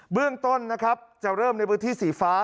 เรื่องต้นนะครับจะเริ่มในพื้นที่สีฟ้า